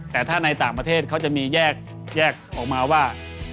แต่ถ้าในต่างประเทศเขาจะมีแยกออกมาว่า